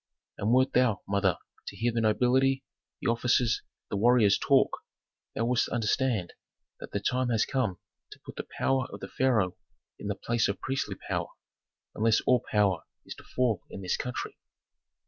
And wert thou, mother, to hear the nobility, the officers, the warriors talk, thou wouldst understand that the time has come to put the power of the pharaoh in the place of priestly power, unless all power is to fall in this country."